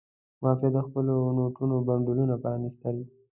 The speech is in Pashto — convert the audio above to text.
مافیا د خپلو نوټونو بنډلونه پرانستل.